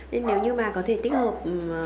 nên nếu như mà có thể tích hợp